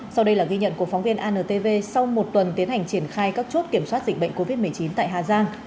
sau đây là ghi nhận của phóng viên antv sau một tuần tiến hành triển khai các chốt kiểm soát dịch bệnh covid một mươi chín tại hà giang